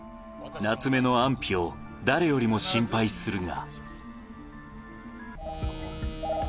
夏目の安否を誰よりも心配するが。